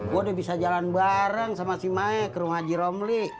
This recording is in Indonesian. gue udah bisa jalan bareng sama si mike ke rumah haji romli